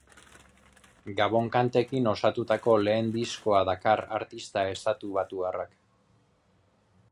Gabon-kantekin osatutako lehen diskoa dakar artista estatubatuarrak.